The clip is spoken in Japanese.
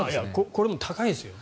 これでも高いですよ。